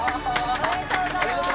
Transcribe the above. おめでとうございます！